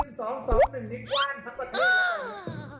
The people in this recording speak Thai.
๐๒๒๑นิกว้านพักประเทศ